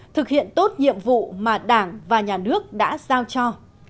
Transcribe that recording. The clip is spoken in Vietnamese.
thực hiện tốt nhiệm vụ mà đảng và nhà nước đã giao cho